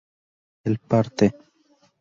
él parte